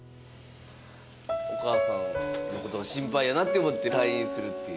お母さんのこと心配やなって思って退院するっていう。